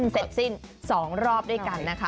เสร็จสิ้น๒รอบด้วยกันนะคะ